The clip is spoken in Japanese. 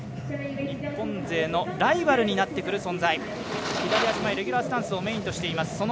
日本勢のライバルになってくる存在左前、レギュラースタンスをメインとしています。